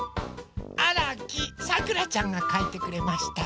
あらきさくらちゃんがかいてくれました。